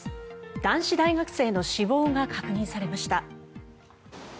男子大学生の死亡が確認されました。